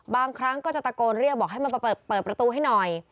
บางครั้งก็จะตะโกนเรียกบอกให้มาเปิดประตูให้หน่อย